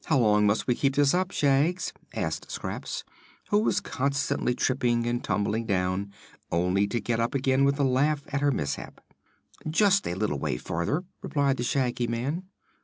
"How long must we keep this up, Shags?" asked Scraps, who was constantly tripping and tumbling down, only to get up again with a laugh at her mishap. "Just a little way farther," replied the Shaggy Man.